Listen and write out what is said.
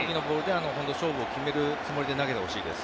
勝負を決めるつもりで投げてほしいです。